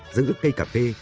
giữ cây cà phê